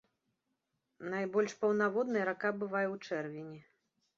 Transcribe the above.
Найбольш паўнаводнай рака бывае ў чэрвені.